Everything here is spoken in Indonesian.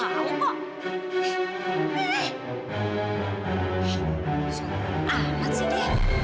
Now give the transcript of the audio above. sangat amat sih dia